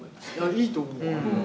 いいと思う。